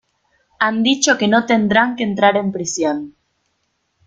Han dicho que no tendrán que entrar en prisión.